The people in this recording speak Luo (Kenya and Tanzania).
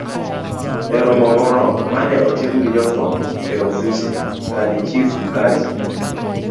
E romo moro ma ne otim gi jofwambo e ofise, Kadhi Chief Mkazi,